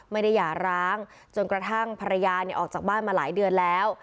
หย่าร้างจนกระทั่งภรรยาออกจากบ้านมาหลายเดือนแล้ว